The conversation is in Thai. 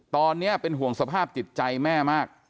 ตอนนี้เป็นห่วงสภาพจิตใจแม่มาก